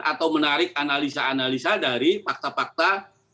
atau menarik analisa analisa dari fakta fakta